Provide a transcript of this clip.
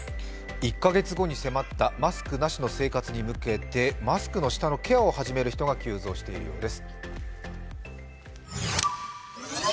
１か月後に迫ったマスクなしの生活に向けてマスクの下のケアを始める人が急増しているようです。